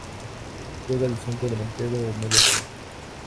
Juega de centro delantero o media punta.